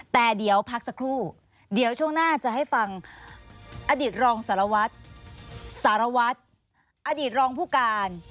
แต่เดี๋ยวพักสักครู่เดี๋ยวช่วงหน้าจะให้ฟังอดีตรองสารวัตรสารวัตรอดีตรองผู้การ